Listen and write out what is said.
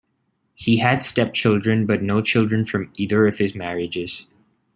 He had stepchildren, but no children from either of his marriages.